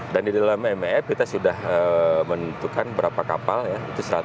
dan di dalam map kita sudah menentukan berapa kapal ya